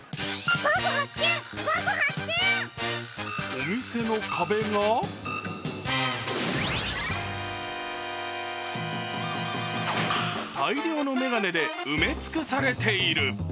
お店の壁が大量の眼鏡で埋め尽くされている。